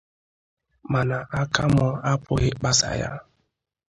mana aka mụ apụghị ịkpasa ya